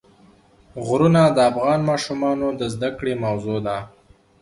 غرونه د افغان ماشومانو د زده کړې موضوع ده.